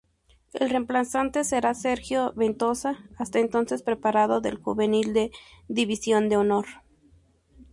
El reemplazante será Sergio Ventosa, hasta entonces preparador del Juvenil de División de Honor.